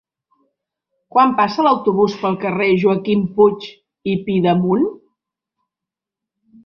Quan passa l'autobús pel carrer Joaquim Puig i Pidemunt?